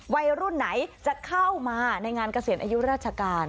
วัยรุ่นไหนจะเข้ามาในงานเกษียณอายุราชการ